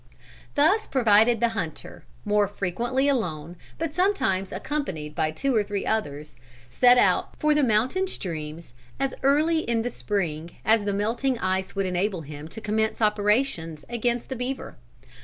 Thus provided the hunter, more frequently alone but sometimes accompanied by two or three others, set out for the mountain streams, as early in the spring as the melting ice would enable him to commence operations against the beaver.